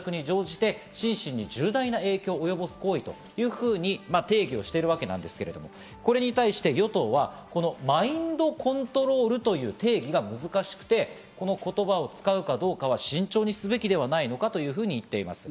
このように定義しているわけなんですけれども、これに対して与党はマインドコントロールという定義が難しくて、この言葉を使うかどうかは慎重にすべきではないのかというふうに言っています。